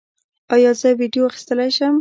ایا زه ویډیو اخیستلی شم؟